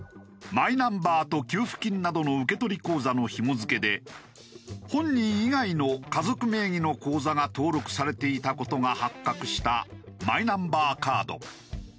マイナンバーと給付金などの受取口座のひも付けで本人以外の家族名義の口座が登録されていた事が発覚したマイナンバーカード。